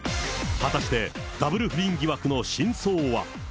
果たしてダブル不倫疑惑の真相は。